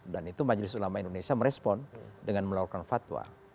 itu majelis ulama indonesia merespon dengan melakukan fatwa